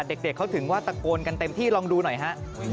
เด็กเขาถึงว่าตะโกนกันเต็มที่ลองดูหน่อยฮะ